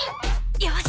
よし！